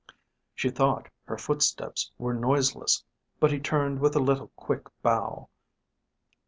She thought her footsteps were noiseless, but he turned with a little quick bow.